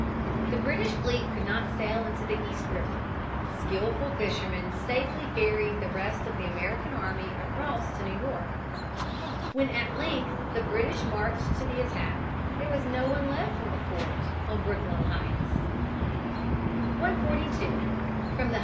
The British fleet could not sail into the East River. Skillful fishermen safely ferried the rest of the American army across to New York. When at length the British marched to the attack, there was no one left in the fort on Brooklyn Heights. [Sidenote: Retreat from New York.